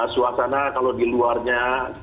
suasana kalau di luarnya